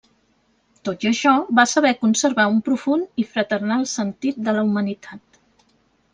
Tot i això va saber conservar un profund i fraternal sentit de la humanitat.